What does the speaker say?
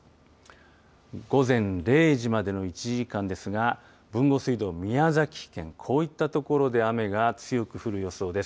午前０時までの１時間ですが豊後水道、宮崎県こういった所で雨が強く降る予想です。